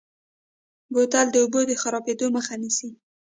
بوتل د اوبو د خرابېدو مخه نیسي.